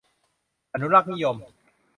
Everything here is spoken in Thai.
อนุรักษนิยม